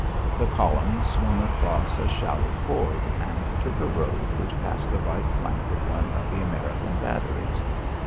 The column swung across a shallow ford and took a road which passed the right flank of one of the American batteries.